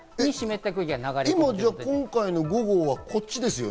今回の５号はこっちですよね。